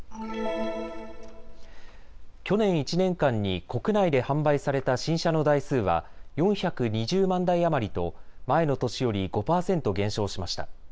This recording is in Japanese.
去年１年間に国内で販売された新車の台数は４２０万台余りと前の年より５％減少しました。